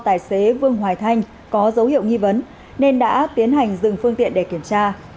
tài xế vương hoài thanh có dấu hiệu nghi vấn nên đã tiến hành dừng phương tiện để kiểm tra